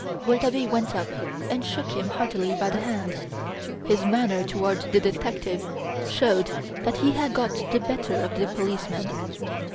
Rouletabille went up and shook him heartily by the hand. His manner toward the detective showed that he had got the better of the policeman.